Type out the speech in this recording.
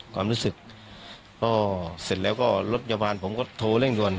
ความรู้สึกก็เสร็จแล้วก็รถพยาบาลผมก็โทรเร่งด่วน